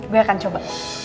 gue akan coba